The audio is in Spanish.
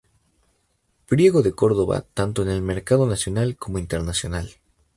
Priego de Córdoba tanto en el mercado nacional como internacional.